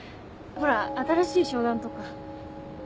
ほら新しい商談とか。